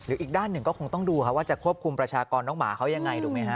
อีกด้านหนึ่งก็คงต้องดูว่าจะควบคุมประชากรน้องหมาเขายังไงถูกไหมฮะ